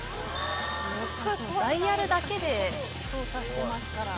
ダイアルだけで操作してますから。